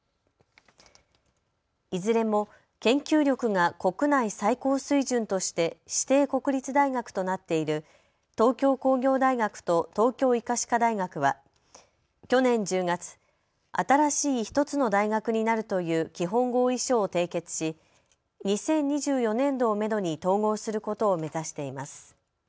いずれも研究力が国内最高水準として指定国立大学となっている東京工業大学と東京医科歯科大学は去年１０月、新しい１つの大学になるという基本合意書を締結し２０２４年度をめどに統合することを目指しています。